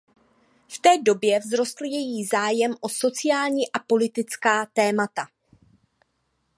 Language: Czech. V té době vzrostl její zájem o sociální a politická témata.